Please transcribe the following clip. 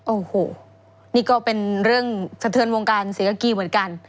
โอ้โหนี่ก็เป็นเรื่องสะเทือนวงการศรีกากีเหมือนกัน